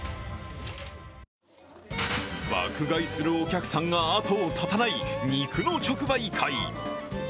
爆買いするお客さんが後を絶たない肉の直売会。